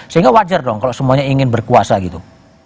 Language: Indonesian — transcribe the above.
sehingga wajar dong kalau semuanya ingin berkuasa gitu